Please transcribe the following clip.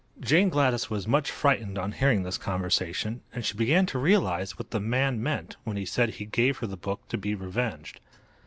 Jane Gladys was much frightened on hearing this conversation, and she began to realize what the man meant when he said he gave her the book to be revenged.